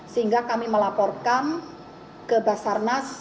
sehingga kami melaporkan ke basarnas